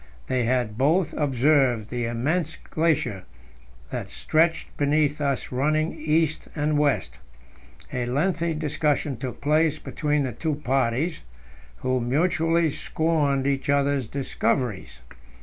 They had both observed the immense glacier that stretched beneath us running east and west. A lengthy discussion took place between the two parties, who mutually scorned each other's "discoveries."